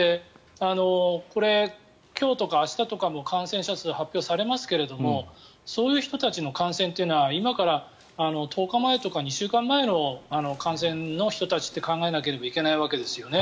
これ、今日とか明日とかも感染者数が発表されますけどもそういう人たちの感染というのは今から１０日前とか２週間前の感染の人たちって考えなければいけないわけですよね。